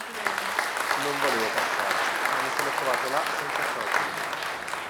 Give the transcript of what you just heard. Non volevo passarci, ma mi sono trovato là senza accorgermi.